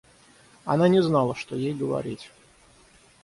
Она не знала, что ей говорить.